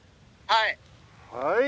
はい。